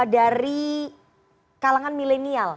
dari kalangan milenial